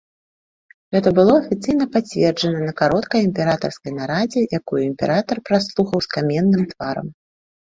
Гэта было афіцыйна пацверджана на кароткай імператарскай нарадзе, якую імператар праслухаў з каменным тварам.